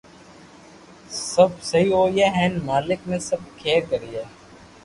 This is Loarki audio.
سب سھي ھوئي ھين مالڪ بي سب کير ڪرئي